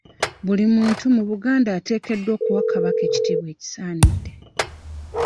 Buli muntu mu Buganda ateekwa okuwa kabaka ekitiibwa ekisaanidde.